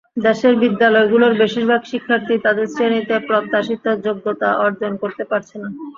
দেশের বিদ্যালয়গুলোর বেশির ভাগ শিক্ষার্থীই তাদের শ্রেণীতে প্রত্যাশিত যোগ্যতা অর্জন করতে পারছে না।